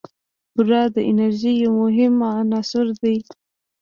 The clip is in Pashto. بوره د انرژۍ یو مهم عنصر دی.